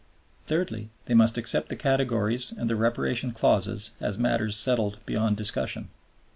Thirdly, they must accept the categories and the Reparation clauses as matters settled beyond discussion."